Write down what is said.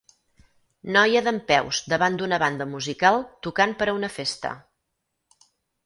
Noia dempeus davant d'una banda musical tocant per a una festa